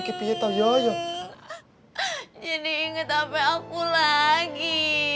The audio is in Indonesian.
jadi inget hp aku lagi